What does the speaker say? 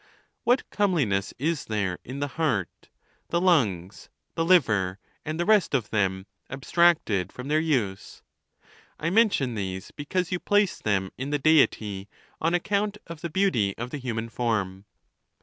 What comeliness is there in the heart, the lungs, the liver, and the rest of thera, abstracted from their use? I mention these because you place them in the Deity on account of the beauty of the human form.